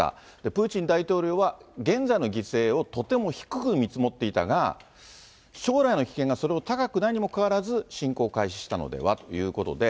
プーチン大統領は現在の犠牲をとても低く見積もっていたが、将来の危険がそれを高くないにもかかわらず、侵攻を開始したのではということで。